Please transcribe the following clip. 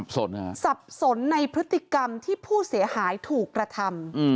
สับสนในพฤติกรรมที่ผู้เสียหายถูกกระทำ